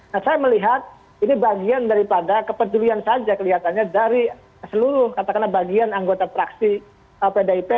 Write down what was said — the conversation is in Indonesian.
nah saya melihat ini bagian daripada kepedulian saja kelihatannya dari seluruh katakanlah bagian anggota praksi pdip